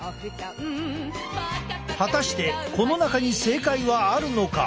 果たしてこの中に正解はあるのか？